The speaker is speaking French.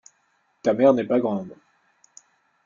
Ta mère n’est pas grande.